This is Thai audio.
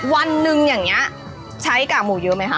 วันหนึ่งอย่างนี้ใช้กากหมูเยอะไหมคะ